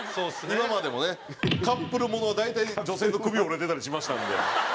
今までもねカップルものは大体女性の首折れてたりしましたんで。